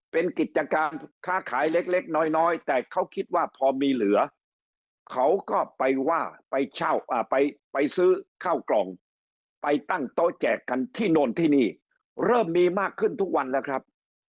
เป็นกิจการค้าขายเล็กน้อยแต่เขาคิดว่าพอมีเหลือเขาก็ไปว่าไปเช่าไปซื้อข้าวกล่องไปตั้งโต๊ะแจกกันที่โน่นที่นี่เริ่มมีมากขึ้นทุกวันแล้วครับ